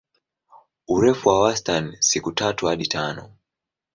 Urefu wa wastani siku tatu hadi tano.